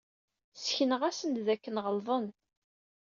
Ssekneɣ-asen-d dakken ɣelḍen.